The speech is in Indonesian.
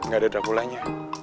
gak ada dracula nya